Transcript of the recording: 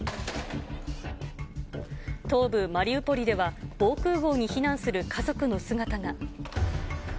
東部マリウポリでは、防空ごうに避難する家族の姿が。